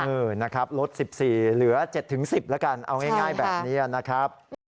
เออนะครับลด๑๔เหลือ๗๑๐แล้วกันเอาง่ายแบบนี้นะครับ